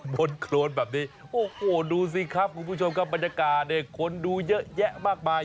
บนโครนแบบนี้โอ้โหดูสิครับคุณผู้ชมครับบรรยากาศเนี่ยคนดูเยอะแยะมากมาย